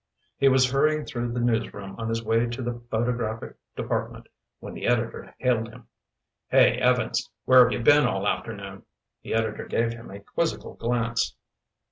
He was hurrying through the news room on his way to the photographic department when the editor hailed him. "Hey, Evans, where have you been all afternoon?" The editor gave him a quizzical glance.